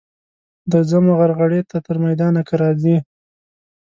درځمه غرغړې ته تر میدانه که راځې.